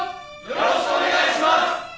よろしくお願いします！